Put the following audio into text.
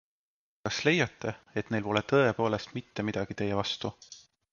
Kas leiate, et neil pole tõepoolest mitte midagi teie vastu?